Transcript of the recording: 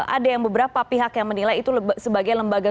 ada yang beberapa pihak yang menilai itu sebagai lembaga